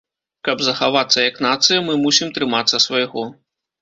Каб захавацца як нацыя, мы мусім трымацца свайго.